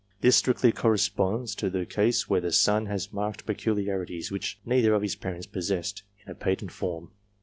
This strictly corresponds to the case where the son has marked peculiarities, which neither of his parents possessed in a patent form.